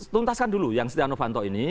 tuntaskan dulu yang stiano vanto ini